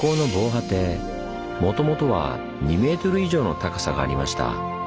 もともとは２ｍ以上の高さがありました。